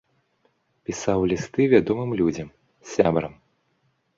Пісаў лісты вядомым людзям, сябрам.